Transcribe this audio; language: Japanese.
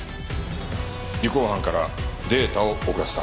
尾行班からデータを送らせた。